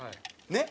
ねっ？